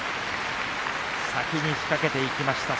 先に仕掛けていきました。